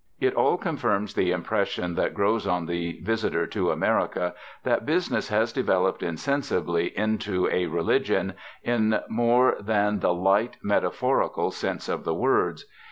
It all confirms the impression that grows on the visitor to America that Business has developed insensibly into a Religion, in more than the light, metaphorical sense of the words.